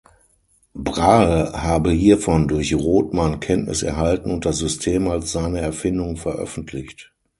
Brahe habe hiervon durch Rothmann Kenntnis erhalten und das System als seine Erfindung veröffentlicht.